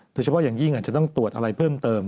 โดยเฉพาะอย่างยิ่งอาจจะต้องตรวจอะไรเพิ่มเติม